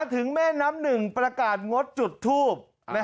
ถึงแม่น้ำหนึ่งประกาศงดจุดทูบ